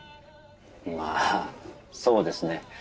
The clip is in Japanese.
まあそうですね。